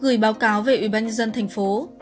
gửi báo cáo về ubnd tp